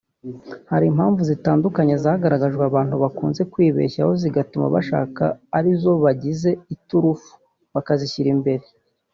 Hari impamvu zitandukanye zagaragajwe abantu bakunze kwibeshyaho zigatuma bashaka ari zo bagize iturufu (bakazishyira imbere)